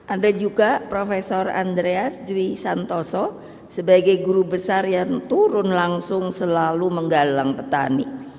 ada juga prof andreas dwi santoso sebagai guru besar yang turun langsung selalu menggalang petani